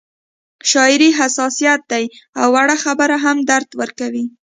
شاعري حساسیت دی او وړه خبره هم درد ورکوي